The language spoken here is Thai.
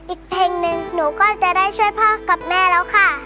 อีกเพลงหนึ่งหนูก็จะได้ช่วยพ่อกับแม่แล้วค่ะ